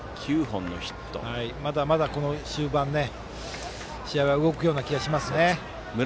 まだまだこの終盤試合は動く気がしますね。